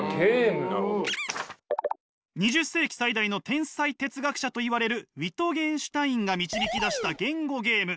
２０世紀最大の天才哲学者といわれるウィトゲンシュタインが導き出した言語ゲーム